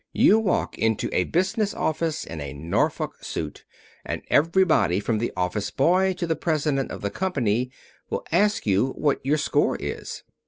You walk into a business office in a Norfolk suit, and everybody from the office boy to the president of the company will ask you what your score is."